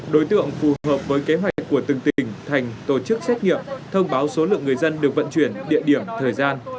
đối tượng phù hợp với kế hoạch của từng tỉnh thành tổ chức xét nghiệm thông báo số lượng người dân được vận chuyển địa điểm thời gian